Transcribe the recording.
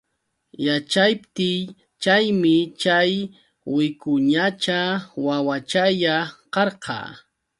Yaćhaptiy chaymi chay wicuñacha wawachalla karqa.